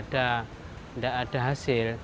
tidak ada hasil